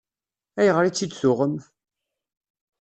Ayɣer i tt-id-tuɣem?